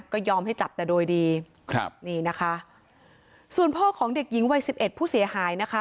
ก็ยอมให้จับแต่โดยดีส่วนพ่อของเด็กหญิงวัย๑๑ผู้เสียหายนะคะ